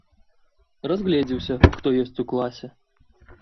Разгледзеўся, хто ёсць у класе.